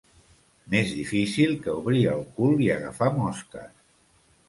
Més difícil que obrir el cul i agafar mosques.